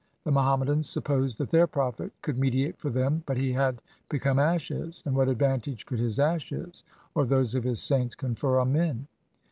The Muhammadans supposed that their prophet could mediate for them, but he had become ashes, and what advantage could his ashes or those of his saints confer on men